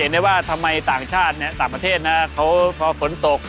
เห็นได้ว่าทำไมต่างชาติต่างประเทศนะครับเพราะว่าฝนตก